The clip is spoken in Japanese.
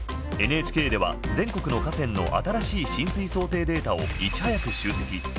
ＮＨＫでは全国の河川の浸水想定データをいち早く集積。